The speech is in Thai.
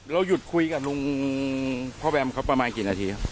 แล้วหยุดคุยกับลุงพ่อแบมเขาประมาณกี่นาที